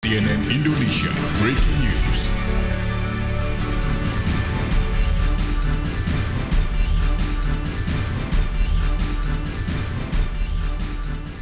cnn indonesia breaking news